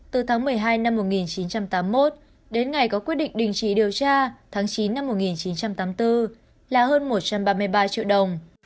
từ tháng một mươi hai năm một nghìn chín trăm tám mươi một đến ngày có quyết định đình chỉ điều tra tháng chín năm một nghìn chín trăm tám mươi bốn là hơn một trăm ba mươi ba triệu đồng